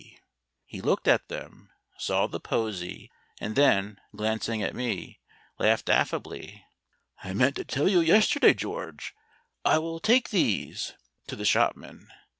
He looked at them, saw the posy, and then, glancing at me, laughed affably. "I meant to tell you yesterday, George I will take these," to the shopman.